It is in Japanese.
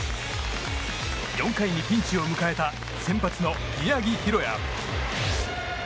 ４回にピンチを迎えた先発の宮城大弥。